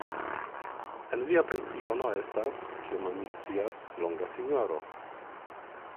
En via pensiono estas, kiom mi scias, longa sinjoro .